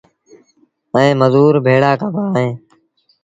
ائيٚݩ مزور ڀيڙآ ڪبآ اهيݩ